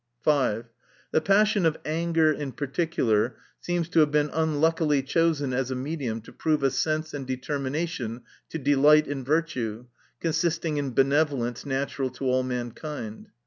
5. The passion of anger, in particular, seems to have been unluckily chosen as a medium to prove a sense and determination to delight in virtue, consisting in benevolence, natural to all mankind.